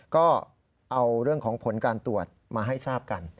ก็เอาเรื่องของผลการตรวจมาให้ทราบกัน